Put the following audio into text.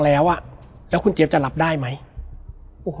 แล้วสักครั้งหนึ่งเขารู้สึกอึดอัดที่หน้าอก